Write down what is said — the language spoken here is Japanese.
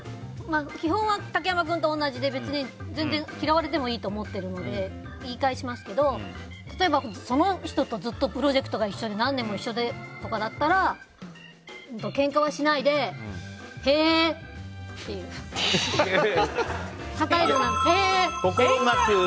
基本は竹山君と一緒で嫌われてもいいと思っているから言い返しますけど例えば、その人とずっとプロジェクトが一緒で何年も一緒でとかならけんかはしないでへーっていう。